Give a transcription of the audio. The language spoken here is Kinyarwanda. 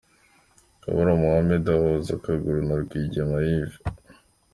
Kabura Mohammed ahuza akaguru na Rwigema Yves.